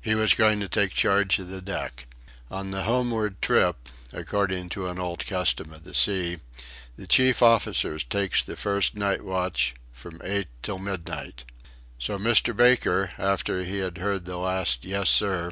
He was going to take charge of the deck. On the homeward trip, according to an old custom of the sea, the chief officer takes the first night watch from eight till midnight. So Mr. Baker, after he had heard the last "Yes, sir!"